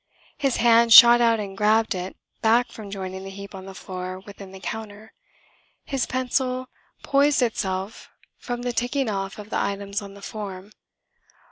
His hand shot out and grabbed it back from joining the heap on the floor within the counter. His pencil poised itself from the ticking off of the items on the form.